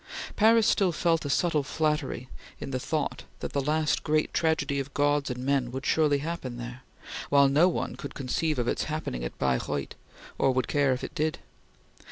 Paris still felt a subtile flattery in the thought that the last great tragedy of gods and men would surely happen there, while no one could conceive of its happening at Baireuth, or would care if it did.